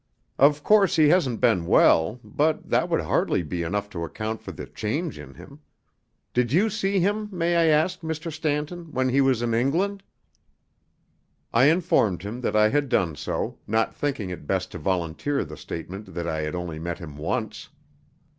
Of course he hasn't been well, but that would hardly be enough to account for the change in him. Did you see him, may I ask, Mr. Stanton, when he was in England?" I informed him that I had done so, not thinking it best to volunteer the statement that I had only met him once.